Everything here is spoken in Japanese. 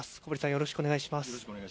よろしくお願いします。